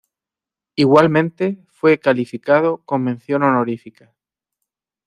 Igualmente fue calificado con mención honorífica.